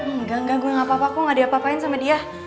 enggak enggak gue gak apa apa gue gak diapapain sama dia